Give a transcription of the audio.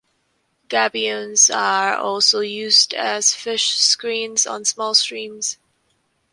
Gabions are also used as fish screens on small streams.